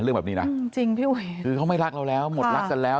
เรื่องแบบนี้นะจริงจริงพี่อุ๋ยคือเขาไม่รักเราแล้วหมดรักกันแล้ว